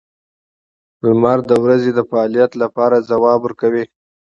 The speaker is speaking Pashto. • لمر د ورځې د فعالیت لپاره ځواب ورکوي.